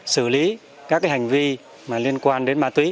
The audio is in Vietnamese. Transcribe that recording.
xử lý các hành vi liên quan đến ma túy